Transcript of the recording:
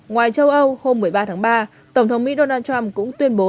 ngoài châu âu hôm một mươi ba tháng ba tổng thống mỹ donald trump cũng tuyên bố